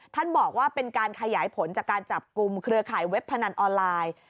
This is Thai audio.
ท่านบอกว่าเป็นการขยายผลจากการจับกลุ่มเครือข่ายเว็บพนันออนไลน์